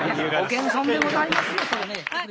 ご謙遜でございますよそれね。